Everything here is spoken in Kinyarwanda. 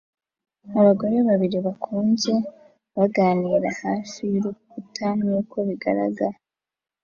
Abagore babiri bakuze baganira hafi y'urukuta nkuko bigaragara